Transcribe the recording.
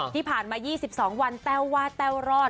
ที่ผ่านมา๒๒วันแต้วว่าแต้วรอด